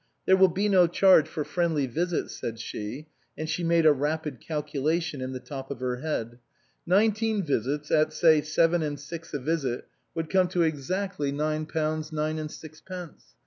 " There will be no charge for friendly visits," said she ; and she made a rapid calculation in the top of her head. Nineteen visits at, say, seven and six a visit, would come to exactly nine 247 SUPERSEDED pounds nine and sixpence.